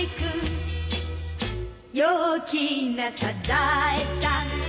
「陽気なサザエさん」